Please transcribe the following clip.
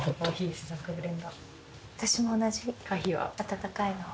私も同じ温かいのを。